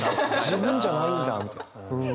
自分じゃないんだみたいな。